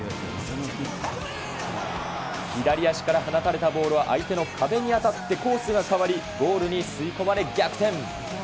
左足から放たれたボールは相手の壁に当たってコースが変わり、ゴールに吸い込まれ、逆転。